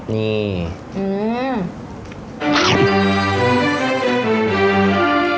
นี่อืม